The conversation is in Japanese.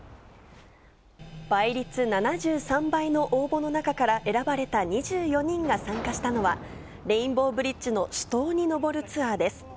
倍率７３倍の応募の中から選ばれた２４人が参加したのは、レインボーブリッジの主塔に上るツアーです。